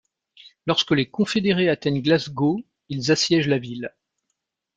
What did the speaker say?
Lorsque les confédérés atteignent Glasgow, ils assiègent la ville.